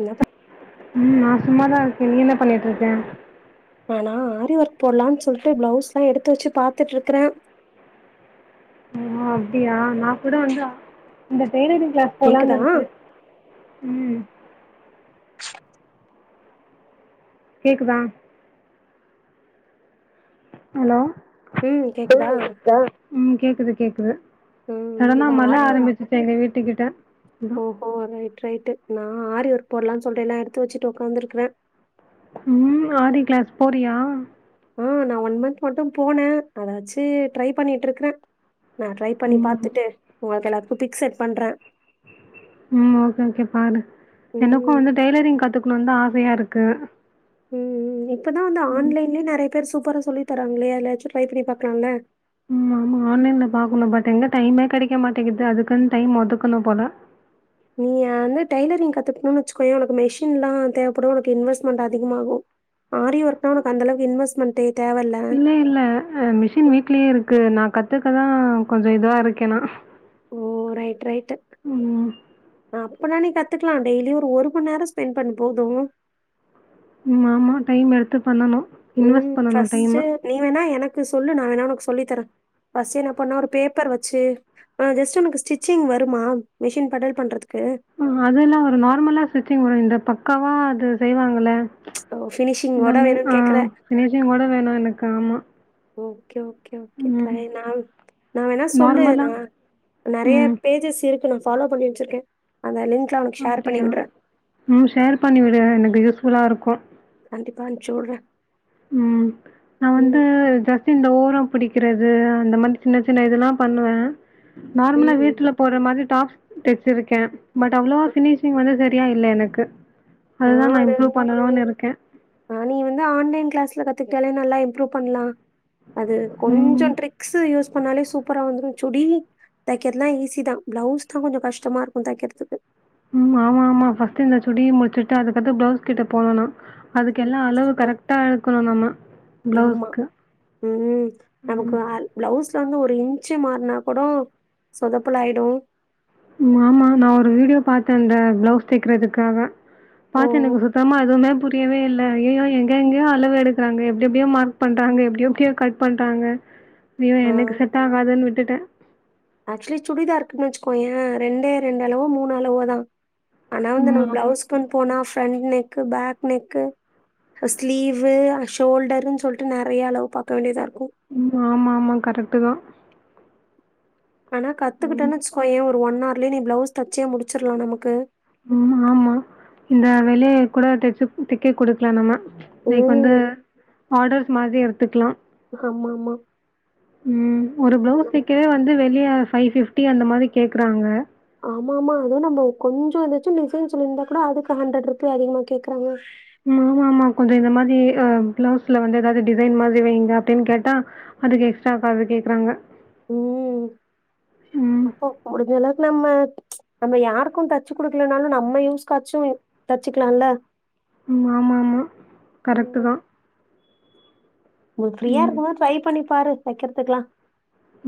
என்ன பண் ம் நா சும்மாதா இருக்கே நீ என்ன பண்ணிட்ருக்கே நானா ஆரி ஒர்க் போட்லாம் சொல்லிட்டு பிளவுஸ் எல்லா எடுத்து வச்சு பாத்துட்ருக்குற ஓ அப்டியா நா கூட வந்து இந்த டெய்லரிங் கிளாஸ் போலானு கேக்குதா இருக்க ம் கேக்குதா ஹலோ ம் கேக்குதா ம் கேக்குது கேக்குது ம் சடனா அதா மழ ஆரி ஒர்க் ஆரம்பிச்சிருச்சி எங்க வீட்டு கிட்ட ஓஹோ ரைட் ரைட் நா ஆரி ஒர்க் போட்லான் சொல்டு எல்லா எடுத்து வச்சிட்டு ஒக்காந்துருக்கற ம் ஆரி கிளாஸ் போறியா ஆ நா ஒன் மந்த் மட்டும் போன அத வச்சு ட்ரை பண்ணிட்ருக்குற நா ட்ரை பண்ணி ம் பாத்துட்டு உங்களுக்கு எல்லாதுக்கும் ஃபிக்ஸ் செட் பண்ற ம் ஓகே ஓகே பாரு எனக்கு ம் வந்து டெய்லரிங் கத்து குனுன் தா ஆசையாருக்கு ம் ம் ம் இப்பதா வந்து ஆன்லைன்லயே நறைய பேர் சூப்பரா சொல்லி தராங்ளே அத்ல எதாச்சு ட்ரை பண்ணி பாக்கலால ம் ஆமா ஆன்லைன்ல பாக்கணு பட் எங்க டைமே கெடக்க மாட்டேங்குது அதுக்குன் டைம் ஒதுக்கணும் போல நீ அந்து டெய்லரிங் கத்துக்குணுனு வச்சுக்கோய உனக்கு மெஷின்ல்லா தேவப்படு உனக்கு இன்வஸ்ட்மன்ட் அதிகமாகு ஆரி ஒர்கனா உனக்கு அந்தளவுக்கு இன்வஸ்மெண்டே இல்ல இல்ல மிஷின் வீட்லயே இருக்கு நா கத்துக்கதா கொஞ்ச இதுவா இருக்கேனா ஓ ரைட் ரைட் அப்பநா நீ கத் கத்துக்லா டெய்லி ஒரு ஒரு மண் நேரம் ஸ்பெண்ட் பண்ணு போதும் ம் ஆமா டைம் எடுத்து பண்ணணு இன்வெஸ்ட் பண்ணணு டைம கு சொல்லு நா வேணா உனக்கு சொல்லித்தர பஸ் என்னா பண்ணா ஒரு பேப்பர் வச்சு அ ஜஸ்ட் உனக்கு ஸ்டிச்சிங் வருமா மிஷின் படல் பண்றதுக்கு ம் அதெல்லா வரு நார்மலா ஸ்விச்சிங் வரு இந்த பக்காவா அது செய்வாங்கல ஓ! ஃபினிஷிங்கோட எல்லாமே வேணும்னு ஆ கேட்குற. ஃபினிஷிங்கோட வேணு எனக்கு ஆமா ஓகே ஓக் ஓகே ஓகே ம். ட்ரை நா‌ நா வேணா சொல்லு நார்மலா நா நறைய ம். பேஜஸ் இருக்கு நா ஃபாலோ பண்ணி வச்சிருக்கே அந்த லிங்க் அப்டியா ம் ஷேர் பண்ணி விடு எனக்கு யூஸ்ஃபுல்லா இருக்கூ கண்டிப்பா அன்ச்சிஉட்ற ம் நா வந்து ஜஸ்ட் இந்த ஓரம் பிடிக்கிறது அந்த மாதிரி சின்ன சின்ன இதெல்லாம் பண்ணுவ நார்மலா ம். வீட்டுல போற மாதிரி டாப்ஸ் தெச்சிருக்கே பட் அவ்ளவா அ ஃபினிஷிங் வந்து சரியா இல்ல எனக்கு அதுதான் ம் நான் அது இம்ப்ரூவ் பண்ணணும்னு இருக்கேன். அ நீ வந்து ஆன்லைன் கிளாஸ்ல கத் துக்டாலே நல்லா இம்ரூவ் பண்லா அது கொஞ்சோ ம். ட்ரிக்ஸ் யூஸ் பண்ணாலே சூப்பரா வந்துரு சுடி தக்கிறதுலா ஈஸிதா பிளவுஸ் தா கொஞ்சோ கஷ்டமா இருக்கு தைக்கிறதுக்கு ம் ஆமா ஆமா ஃபஸ்ட் இந்த சுடி முடிச்சுட்டு அதுக்கத்து பிளவுஸ் கிட்ட போனு நா அதுக்கு எல்லா சூப்பர் அளவு சூப்பர் கரெக்டா எடுக்கனு நம்ம ஆமா பிளவுஸ்க்கு ம் நமக்கு அ ப்ளவுஸ் து வந்து ஒரு இன்ச் மாருனா கூட சொதப்பலா ஆயிடு மாமா நா ஒரு வீடியோ பாத்த இந்த பிளவுஸ் தெக்குறதுக்காக ஆ பாத்த எனக்கு சுத்தமா எதுமே புரியவே இல்ல ஐயயோ எங்க எங்கெங்கயோ அளவு எடுக்குறாங்க எப்டி எப்டியோ மார்க் பண்றாங்க எப்டி எப்டியோ கட் பண்றாங்க ஐயோ எனக்கு செட் ஆகாதுன்னு விட்டுட்ட ஆக்சுவலி சுடிதாருக்குன்னு வச்சுக்கோயே ரெண்டே ரெண்டு அளவு மூணு அளவோ தா ஆனா வந்து ம். நம்ம ஆமா. பிளவுஸ் பண் போனா front neck back neck sleeve ஷோல்டருன் சொல்ட்டு நெறைய அளவு பாக்க வேண்டியதா இருக் ம் ஆமா ஆமா கரெக்ட்டு தா ஆனா கத்துக்கிட்டேன்னு வச்சுக்கோயே ஒரு ஒன்னர்லயே நீ பிளவுஸ் தச்சே முடிச்சர்லா நமக்கு ம் ஆமா இந்த வேலிய கூட தச்சு தைக்க குடுக்கலா நம்ம இது வந்து ம். ஆர்டர்ஸ் மாதி எடுத்துக்கலா ஆமா ஆமா ம் ஒரு பிளவுஸ் தைக்கவே வெளிய ஃபைவ் ஃபிஃப்டி அந்த மாரி கேக்குறாங்க ஆமா ஆமா அதுவு நம்ம கொஞ்ச ஏதாச்சு டிசைன் சொல்லியிருந்தா கூட அதுக்கு ஹண்ட்ரட் ருபீ அதிகமா கேக்குறாங்க ஆமா ஆமா கொஞ்ச இந்த மாதி ஆ பிளவுஸ்ல வந்து ஏதாவது டிசைன் மாதிரி வைங்க அப்டின்னு கேட்டா அதுக்கு எக்ஸ்ட்ரா காசு கேக்குறாங்க ம் ம். அப்போ முடிஞ்ச அளவுக்கு நம்ம நம்ம யாருக்கு தச்சு குடுக்கலனாலு நம்ம யூஸ்காச்சு தச்சுக்கலால ம் ஆமா ஆமா கரெக்ட்டு தா நீ ஃப்ரீயா இருக்கும் போது ட்ரை பண்ணி பாாரு தைக்கறத்துக்லா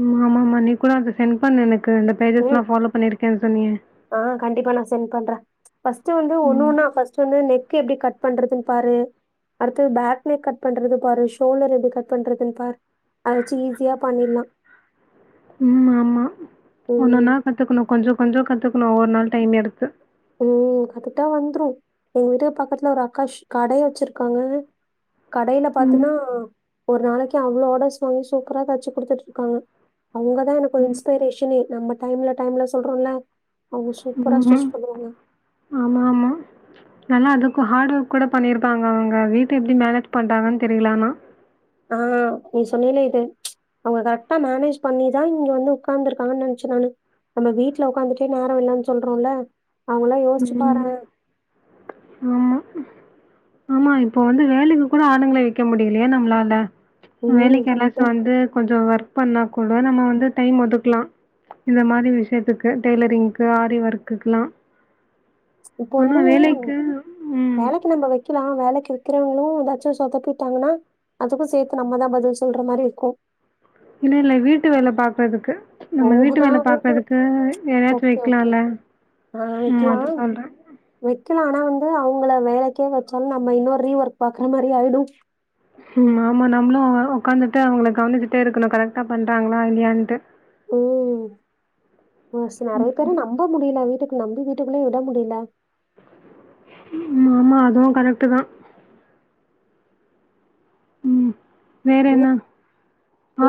ம் ஆமா ஆமா நீ கூட அது சென்ட் பண்ணு எனக்கு இந்த பேஜஸ் ம். லா ஃபாலோ பண்ணிருக்கனு சொன்னிய ஆ கண்டிப்பா நா சென்ட் பண்ற ஃபர்ஸ்ட் வந்து ஒன்னு ம். ஒண்ணா ஃபர்ஸ்ட் வந்து நெக் கு எப்டி கட் பண்றதுன் பாரு அடுத்து பேக் நெக் கட் பண்றது பாரு ஷோல்டர் எப்டி கட் பண்றதுன் பாரு அத வச்சு ஈஸியா பண்ணிட்லா ம் ஆமா ஒன்னு ம், ஒன்னா கத்துக்கணு கொஞ்ச கொஞ்ச கத்துக்கணு ஒவ்வொரு நாள் டைம் எடுத்து ம் கத்துட்டா வந்துரு எங்க வீட்டுக்கு பக்கத்துல ஒரு அக்கா ஷ் கடையே வச்சிருக்காங்க கடையில ம். பாத்தினா ஒரு நாளைக்கு அவ்ளோ ஆர்டர்ஸ் வாங்கி சூப்பரா தச்சு குடுத்துட்டு இருக்காங்க அவங்கதா எனக்கு ஒரு ம். இன்ஸ்பிரரேஷனே நம்ம டைம்ல டைம்ல சொல்றோல அவங்க சூப்பரா ம்ஹ்ம். ஸ்டிச் பண்ணுவாங்க. ஆமா ஆமா நல்லா அதுக்கு ஹார்ட் ஒர்க் கூட பண்ணிருப்பாங்க அவங்க வீட்ட எப்டி மேனேஜ் பண்றாங்கன்னு தெரில ஆனா ஆ நீ சொன்னேல இது அவங்க கரெக்டா மேனேஜ் பண்ணிதா இங்க வந்து உக்கார்ந்துருக்காங்கன்னு நெனச்ச நானு நம்ம வீட்ல உக்காந்துட்டே நேரோ இல்லன்னு சொல்றோல ம் ஆமா ஆமா இப்போ வந்து வேலைக்கு கூட ஆளுங்கள வைக்க முடியலையே நம்மளால ம் வேலைக்கு கரெக்ட்டு. எராச்சு வந்து கொஞ்ச ஒர்க் பண்ணா கூட நம்ம வந்து டைம் ஒதுக்குலா இந்த மாரி விஷயத்துக்கு டெய்லரிங்க்கு ஆரி ஒர்க்குக்குல்லா இப்ப வந்து ம். வேலைக்கு நம்ம வைக்குலா வேலைக்கு வைக்கிறவங்களு ஏதாச்சு சொதப்பிட்டாங்கன்னா அதுக்கு சேத்து நம்மதா பதில் சொல்ற மாரி இருக்கு இல்ல இல்ல வீட்டு வேல பாக்குறதுக்கு ஓ! நம்ம வீட்டு வேல நான் வந்து பாக்குறதுக்கு யாரையாச்சு ஓகே, ஓகே. வைக்கலால ம் அது சொல்றே வைக்குலா ஆனா வந்து அவங்கள வேலைக்கே வெச்சாலு நம்ம இன்னொரு ரீ ஒர்க் பாக்குற மாரி ஆயிடு ம் ஆமா நம்மளு உக்காந்துட்டு அவங்கள கவனிச்சுட்டே இருக்கணு கரெக்ட்டா பண்றாங்களா இல்லையான்ட்டு ம் ம் சி நெறைய பேரு நம்ப முடியில வீட்டுக் கு நம்பி வீட்டுக்குள்ளா விட முடியில ம் ஆமா அதுவு கரெக்டு தா ம் வேற ம். என்ன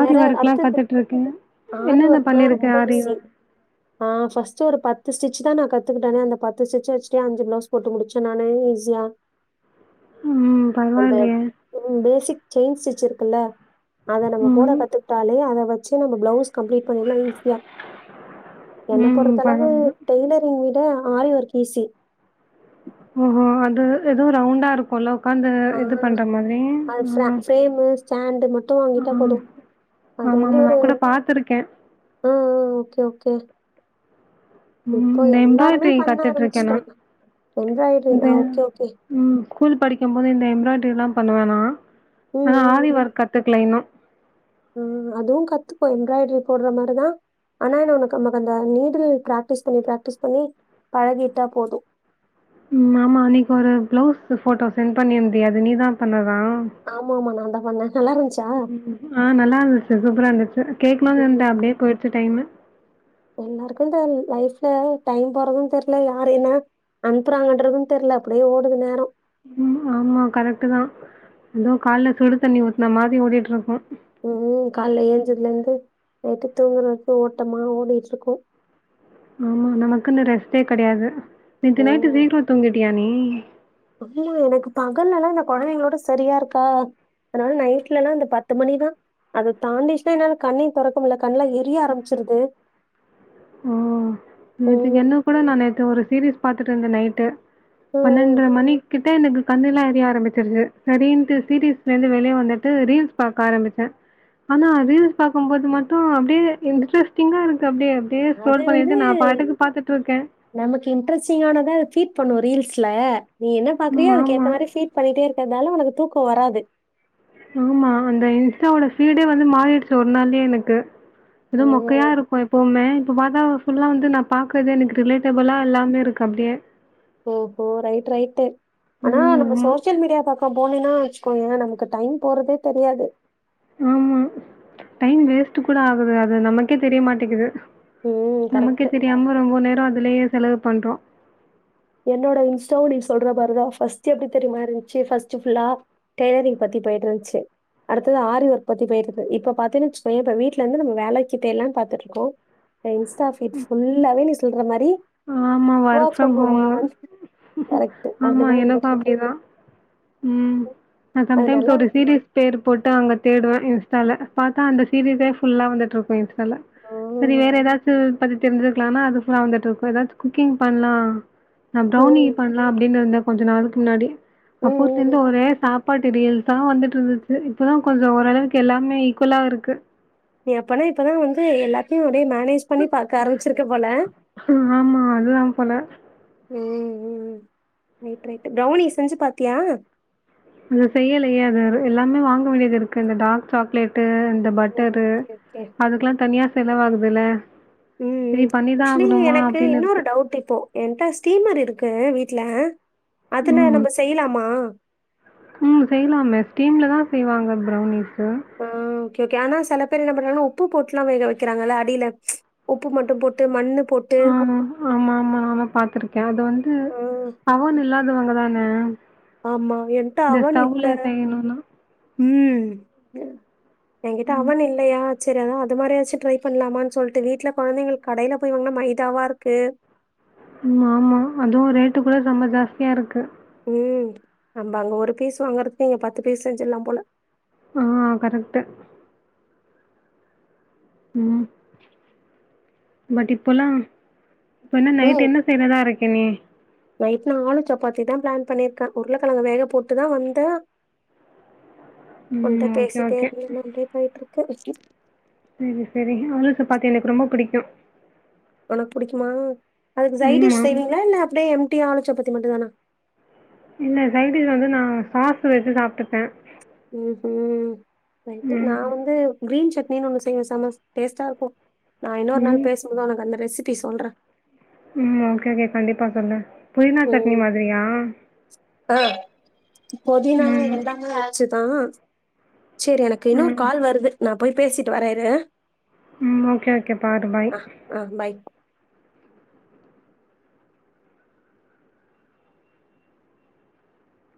ஆரி ஒர்க்குல்லா அடுத்தது கத்துட்டு இருக்கிங்க ஆரி என்னென்ன ஒர்க்லாம் பண்ணிருக்கே ஆரில சே ஒரு பத்து ஸ்டிச் தா நா கத்துக்கிட்டேனே அந்த பத்து ஸ்டிச்ச வச்சுட்டு அஞ்சு பிளஸ் போட்டு முடிச்சு நானு ஈஸியா ம் [unintelligible] அந்த பரவாயில்லையே ம் பேசிக் செயின் ஸ்டிச் இருக்குல்ல அத நம்ம போட ம் கத்துக்கிட்டாலே அத வச்சு நம்ம பிளவுஸ் கம்ப்ளீட் பண்லா ஈஸியா என்ன ம் பொறுத்தளவு பரவால்ல டெய்லரிங் வீ ட ஆரி வர்க் ஈஸி ஓஹோ அது எதோ ரவுண்டா இருக் ஆ அ ஃபிரா ம் ஃபிரேம் ஸ்டாண்டு் மட்டும் ஆ வாங்கிட்டா போதும் அது ஆமா வந்து ஆமா நா ஒரு கூட பாத்துருக்கே ம் ம் ஓகே ஓகே இப்போ உம் எல்லாருமே எம்ப்ராய்டரி பண்ண கத்துட்டு இருக்க நா ஆரம்பிச்சுட்டாங்க. எம்ப்ராய்டரி இந்த ஆ ஓகே, ஓகே. உம் ஸ்கூல் படிக்கும் போது இந்த எம்ப்ராய்டரி எல்லா பண்ணுவனா ஆனா ஆரி வர்க் கத்துக்கல இன்னும் உம் அதுவும் கத்துப்போ எம்ப்ராய்டரி போடுற மாரிதான் ஆனா என்ன உனக்கு நமக்கு அந்த நீடில் பிராக்டிஸ் பண்ணி பிராக்டிஸ் பண்ணி பழகிட்டா போது ம் ஆமா அன்னைக்கு ஒரு பிளவுஸ் ஃபோட்டோ சென்ட் பண்ணியிருந்தியே அது நீதா பண்ணத ஆமா ஆமா நான்ந்தா பன் ம் ஆ நல்லா இருந்துச்சு சூப்பரா இருந்துச்சு ம். கேக்குனுன்ருந்த அப்படியே போயிடுச்சு த டைம் ல டைம் போறது தெர்ல யார் என்ன அனுப்புறாங்கன்றது தெர்ல அப்படியே ஓடுது நேரோ ம் ஆமா கரெக்ட் தா எதோ கால்ல சுடு தண்ணி ஊத்ன மாரி ஓட்டிட்டுருக்கோம் ம். காலைல ஏஞ்சதுலேருந்து நைட்டு தூங்குற வர்கு ஓட்டமா ஓடிட்டுருக்கோம் ஆமா நமக்குன்னு ரெஸ்ட்டே கடையாது நேத்து நைட்டு ம். சீக்கிரோ தூங்கிட்டிய நீ ஆமா எனக்கு பகல்லல்லா இந்த குழந்தைங்களோட சரியா இருக்கா அனால நைட்லல்லாம் இந்த பத்து மணிதா அத தாண்டிச்சுன்னா என்னால கண்ணிய தோறக்க முடல ம் நேதிக் ம். என்ன கூட நா நேத்து ஒரு சீரீஸ் பாத்தட்டுருந்த நைட்டு ம். பன்னெண்டுரா மணிக்கு டு எனக்கு கண்ணுலா எரிய ஆரம்பிச்சிருச்சு சரின்ட்டு டி டி எஸ்லருந்து வெளியே வந்துட்டு ரீல்ஸ் பாக்க ஆரம்பிச்ச ஆனா ரீல்ஸ் பார்க்கும்போது மட்டும் அப்படியே இன்ட்ரெஸ்ட்டிங்கா இருன்ச்சு அப்படியே அப்படியே அது ஸ்க்ரோல் வந்து பண்ணிட்டு நான் பாட்டுக்கு பார்த்துட்டு இருக்கேன். நமக்கு இன்ட்ரெஸ்ட்டிங் ஆனதா பீட் பண்ணு ரீல்ஸ் ட்லா நீ என்ன ம். பாக்குறியோ அதுக்கு ஆமா. ஏத்த மாதிரி பீட் பண்ணிட்டே இருக்கறனால உனக்கு தூக்கோ வராது ஆமா அந்த இன்ஸ்டாவோட ஃபீடே வந்து மாறிடுச்சு ஒரு நாள்யே எனக்கு எதோ மொக்கையா ம். இருபோ எப்பவுமே இப்ப பார் தா ஃபுல்லா வந்து நா பாக்குறது எனக்கு ரிலேட்டபிளா எல்லாமே இருக்கு அப்படியே ஓ ஹோ ரைட் ரைட் அனா ம். நம்ம ஆமா. சோசியல் மீடியா பக்கோ போனேன்னா வெச்சு கோ ஏன நமக்கு டைம் போறதே தெரியாது ஆமா டைம் வேஸ்ட் கூட ஆகுது அது நமக்கே தெரிய மாட்டேக்குது ம் நமக்கே கரெக்ட்டு. தெரியாம ரொம்ப நேரோ அதுலயே செலவு பண்றோ என்னோட இன்ஸ்டாவும் நீ சொல்ற மாரிதா ஃபர்ஸ்டு எப்டி தெரியுமா இருன்ச்சு, ஃபர்ஸ்டு ஃபுல்லா டெய்லரிங் பத்தி தி போயிட்டுருன்ச்சு அடுத்தது ஆரி உற்பத்தி போயிருது இப்ப பாத்தீன்னு வச்சுக்கோையன் இப்ப வீட்டுல இருந்து நம்ம வேலைக்கு தேரியலன்னனு பாத்துட்டு இருக்கோம் ஏ இன்ஸ்டா ஃபீட் ஃபுல்லாவே நீ சொல்ற மாரி ஆமா ஒர்க் ஃப்ரம் ஹோம். போமன் ஆமா எனக்கு அப்படிதா உம் நா அது சம்டைம்ஸ் நல்லா ஒரு சீரிஸ் பேர் போட்டு அங்க தேடுவ இன்ஸ்டால பாத்தா அந்த சீரீஸே ஃபுல்லா வந்துட்டுருக்கும் இன்ஸ்டால செரி வேற ம். ஏதாச்சும் பத்தி தெரிஞ்சுக்கலானா அது ஃபூரா வந்துட்டுருக்கும் ஏதாது குக்கிங் பண்ணலா நான் ப்ரோவ்னி ம். பண்ணலா அப்படின்னு இருந்த கொஞ்சோ நாலுக்கு முன்னாடி ம், அப்போல ம், இருந்து ம். ஒரே சாப் பாட்டு ரீல்ஸ்சா வந்துட்டு இருந்துச்சு இப்பதா கொஞ்சோ ஓரளவுக்கு எல்லாமே ஈக்குவலா இருக்கு நீ அப்பனா இப்பதான் வந்து எல்லாத்தையும் அப்படியே மேனேஜ் பண்ணி பாக்க ஆரம்பி ஆமா அதுதான் போல ம் ம் ரைட் ரைட் ப்ரௌனி செஞ்சு பாத்தியா அது செய்யலையே அது எல்லாமே வாங்க வேண்டியது இருக்கு இந்த டார் சாக்லேட்டு இந்த பட்டரு ஓகே, ஓகே. அதுக்கெல்லா தனியா செலவாகதுல ம் ம் ஆக்சுவலி எனக்கு இன்னொரு இருக்கு. டவுட் இப்போ என்ட்ட ஸ்டீமர் இருக்கு வீட் ட்ல அதனா ம். நம்ம செய்லாமா ம் செய்லாமே ஸ்டீம்ல தா செய்வாங்க பரௌனீஸு கு கேனா செல பேர் என்ன பண்றாங்கன்னா உப்பு போட்டுலா வேக வெக்குறாங்கல்ல அடில உப்பு மட்டும் போட்டு மண்ணு போட்டு ஆம் ஆமாம்மா ஆமா பாத்திருக்கே அது வந்து ஆ அவன் இல்லாதவங்கதா அ ஆமா என்ட்ட அவன்னு இல்ல செய்யணும்னா. ம் எங்கிட்ட அவன் இல்லையா சேரி அதா அது மாரி ஏதாச்சு ட்ரை பண்ணலாமான் சொல்ட்டு வீட்ல கொழந்தைங்ல்க்கு கடைல போய் வாங்ன்னா மைதாவாருக்கு ம் ஆமா அதுவு ரேட்டு கூட செம்ம ஜாஸ்தியாருக்கு ம் நம்ம அங்க ஒரு பீஸ் வாங்குறதுக்கு இங்க பத்து பீஸ் செஞ்சிற்லாம் போல ஆ கரெக்ட்டு ம் பட் இப்பொல்லா இப்ப என்ன ம். நைட் என்ன செய்றதா இருக்கே நீ நைட் நா ஆளு சப்பாத்தி தா பிளான் பண்ணி இருக்க உருளைக்கெழங்க வேக போட்டுதா வந்த ம் உண்ட ஓகே பேசிட்டே ஓகே [unintelligible] போட்ருக்க செரி செரி ஆளு சப்பாத்தி எனக்கு ரொம்ப புடிக்கு உனக்கு புடிக்குமா அதுக்கு ம் சைடிஷ் ஆம் செய்வீங்ளா இல்ல அப்டியே எம் டியா ஆளு சப்பாத்தி மட்டுந்தானா இல்ல சைடிஷ் வந்து நா சாஸ்ஸு வெச்சி சாப்ட்டுப்பே ம் கு ம் ரைட்டு நா ம் வந்து கிரீன் சட் னீனு ஒண்ணு செய்யவ செம டேஸ்ட்டாருக்கு நா இன்னொரு நாள் ம் பேசும்போத் உனக்கு அந்த ரெசிபி சொல்ற ம் ஓகே ஓகே கண்டிப்பா சொல்லு புதினா சட்னி மாதிரியா அ பொதினா ம் எல்லாமே ஆச்சிதா சேரி எனக்கு இன்னொரு ம் கால் வருது நா போய் பேசிட்டு வர இரு ம் ஓகே ஓகே பாரு பாய் ஆ ஆ பாய்